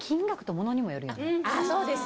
そうですね。